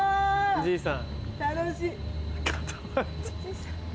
じいさん？